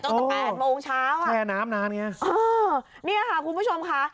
เจ้าตะแปดโมงเช้าอ่ะแค่น้ำนานเงี้ยอ๋อนี่ค่ะคุณผู้ชมค่ะ